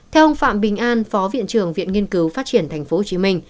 theo ông phạm bình an phó viện trưởng viện nghiên cứu phát triển tp hcm